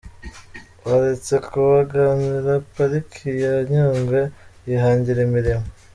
Baretse kubangamira Pariki ya Nyungwe bihangira imirimo